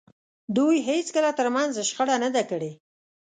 دوی هېڅکله تر منځ شخړه نه ده کړې.